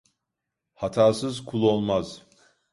Hatasız kul olmaz.